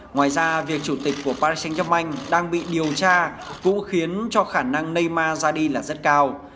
ngoài ra việc chủ tịch của paris saint germain đang bị điều tra cũng khiến cho khả năng neymar ra đi là rất cao